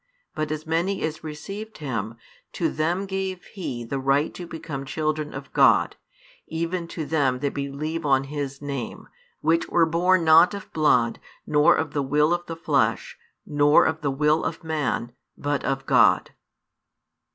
But as many as received Him, to them gave He the right to become children of God, even to them that believe on His Name: which were born not of blood, nor of the will of the flesh, nor of the will of man, but of God.